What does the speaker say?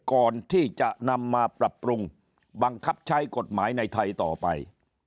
ก่อนที่จะนำมาปรับปรุงบังคับใช้กฎหมายในไทยต่อไป